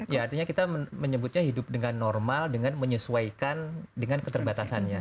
ya artinya kita menyebutnya hidup dengan normal dengan menyesuaikan dengan keterbatasannya